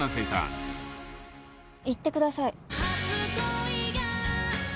「いってください」